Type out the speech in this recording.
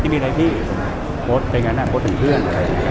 มีอะไรพี่โพสต์อย่างนั้นโพสต์เป็นเพื่อน